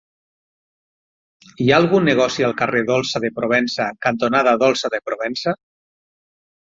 Hi ha algun negoci al carrer Dolça de Provença cantonada Dolça de Provença?